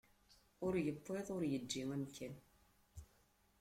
Ur yewwiḍ ur yeǧǧi amekkan.